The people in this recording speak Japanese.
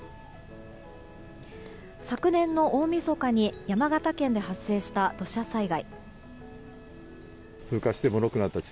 昨年の大みそかに山形県で発生した土砂災害。